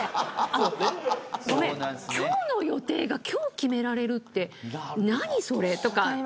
今日の予定が今日決められるって何それとか。